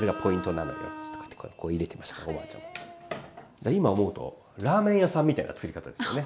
だから今思うとラーメン屋さんみたいなつくり方ですよね。